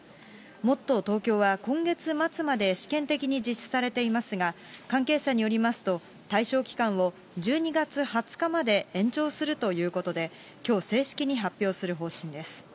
もっとＴｏｋｙｏは今月末まで試験的に実施されていますが、関係者によりますと、対象期間を１２月２０日まで延長するということで、きょう、正式に発表する方針です。